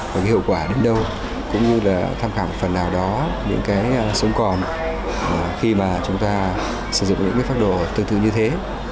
hiệu quả đến đâu cũng như tham khảo một phần nào đó những sống còn khi mà chúng ta sử dụng những phác đồ tư thư như thế